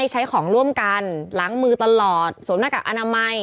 หลังมือตลอดสวมหน้ากากอนามัย